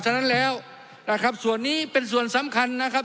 ฉะนั้นแล้วนะครับส่วนนี้เป็นส่วนสำคัญนะครับ